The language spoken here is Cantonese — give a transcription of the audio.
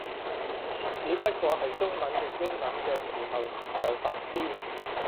只不過係中文譯英文嘅時候就煩啲